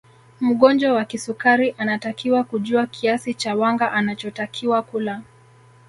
Mgonjwa wa kisukari anatakiwa kujua kiasi cha wanga anachotakiwa kula